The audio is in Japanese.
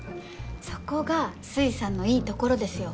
そこが粋さんのいいところですよ。